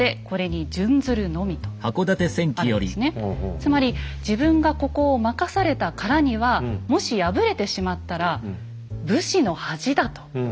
つまり自分がここを任されたからにはもし敗れてしまったら武士の恥だと。